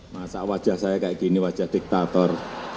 masa wajah saya kayak gini wajah diktator